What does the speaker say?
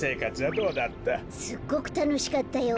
すっごくたのしかったよ。